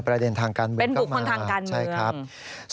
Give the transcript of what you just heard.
ประเด็นทางการเมืองก็มาเป็นบุคคลทางการเมือง